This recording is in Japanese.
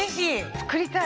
作りたい！